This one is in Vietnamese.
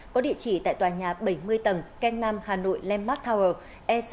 có địa chỉ tại tòa nhà bảy mươi tầng canh nam hà nội lembath tower e sáu